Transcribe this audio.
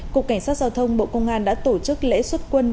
cục cảnh sát giao thông bộ công an đã tổ chức lễ xuất quân